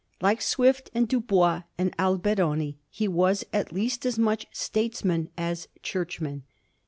Like Swift, and Dubois, and Alberoni, he was at least as much statesman as churchman.